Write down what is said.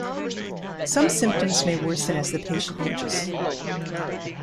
Some symptoms may worsen as the patient ages.